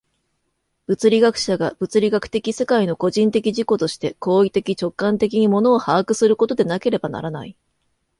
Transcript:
物理学者が物理学的世界の個人的自己として行為的直観的に物を把握することでなければならない。